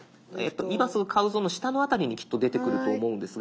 今すぐ買うぞの下の辺りにきっと出てくると思うんですが。